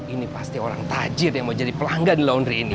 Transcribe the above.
ini pasti orang tajir yang mau jadi pelanggan di laundry ini